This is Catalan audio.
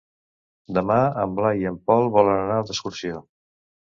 Demà en Blai i en Pol volen anar d'excursió.